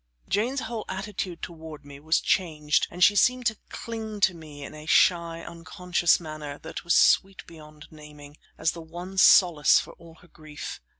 Jane's whole attitude toward me was changed, and she seemed to cling to me in a shy, unconscious manner, that was sweet beyond the naming, as the one solace for all her grief.